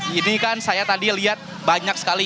ini kan saya tadi lihat banyak sekali